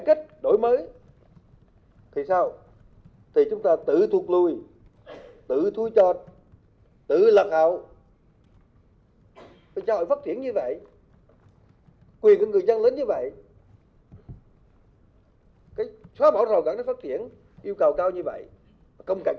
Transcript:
vẫn một nền hành chúi một nền hành chính tư duy lọc hậu